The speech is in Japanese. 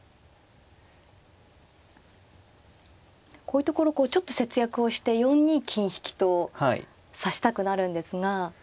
こういうところちょっと節約をして４二金引と指したくなるんですが。